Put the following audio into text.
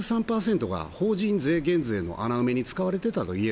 消費税は法人税減税の穴埋めに使われていたと。